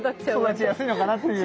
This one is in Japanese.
育ちやすいのかなっていう。